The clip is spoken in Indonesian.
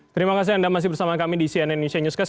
terima kasih anda masih bersama kami di cnn indonesia newscast